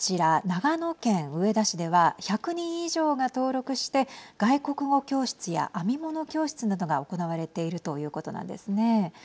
長野県上田市では１００人以上が登録して外国語教室や編み物教室などが行われているということなんですね。